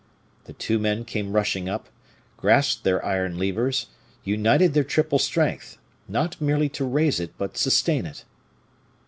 The two men came rushing up, grasped their iron levers, united their triple strength, not merely to raise it, but sustain it.